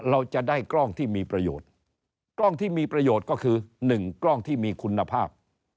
เราจะได้กล้องที่มีประโยชน์กล้องที่มีประโยชน์ก็คือ๑กล้องที่มีคุณภาพ